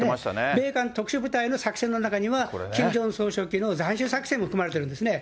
米韓特殊部隊の作戦の中には、キム・ジョンウン総書記の斬首作戦も含まれているんですね。